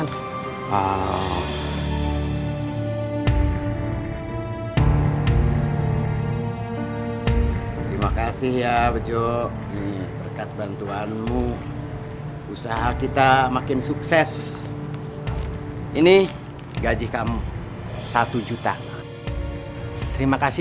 terima kasih ya bejo terkat bantuanmu usaha kita makin sukses ini gaji kamu satu juta terima kasih